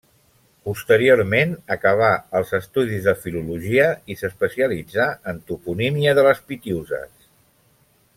Posteriorment acabà els estudis de filologia i s'especialitzà en toponímia de les Pitiüses.